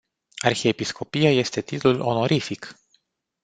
Arhiepiscopia este titlul onorific.